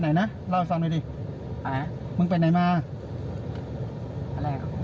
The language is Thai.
ไหนนะเล่าสร้างดูดิอ่ามึงไปไหนมาอ่ะอะไรของเขา